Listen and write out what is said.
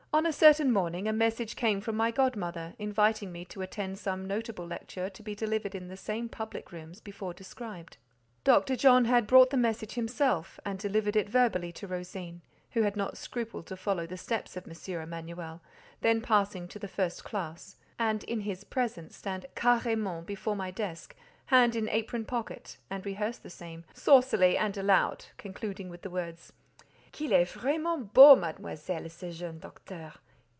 On a certain morning a message came from my godmother, inviting me to attend some notable lecture to be delivered in the same public rooms before described. Dr. John had brought the message himself, and delivered it verbally to Rosine, who had not scrupled to follow the steps of M. Emanuel, then passing to the first classe, and, in his presence, stand "carrément" before my desk, hand in apron pocket, and rehearse the same, saucily and aloud, concluding with the words, "Qu'il est vraiment beau, Mademoiselle, ce jeune docteur!